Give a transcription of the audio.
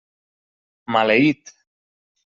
Maleït!